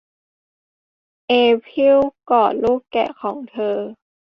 เอพิลกอดลูกแกะของเธอ